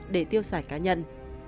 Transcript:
để tiêu sải cá nhân